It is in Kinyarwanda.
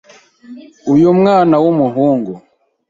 Uyu mwana w’umuhungu